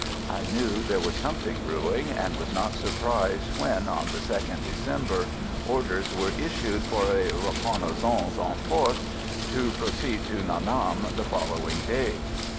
I knew there was something brewing, and was not surprised when, on the 2nd December, orders were issued for a reconnaissance en force to proceed to Nha Nam the following day.